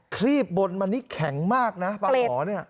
ครีบบนมันนี่แข็งมากนะปลาหมอเนี่ย